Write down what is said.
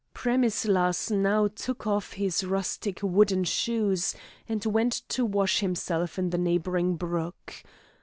Premislas now took off his rustic wooden shoes, and went to wash himself in the neighbouring brook.